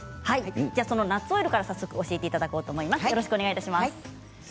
ナッツオイルから教えていただこうと思います。